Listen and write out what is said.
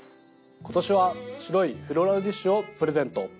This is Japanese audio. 今年は白いフローラルディッシュをプレゼント。